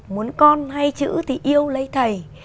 muốn con hay chữ thì yêu lấy thầy